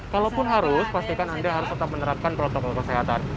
kalaupun harus pastikan anda harus tetap menerapkan protokol kesehatan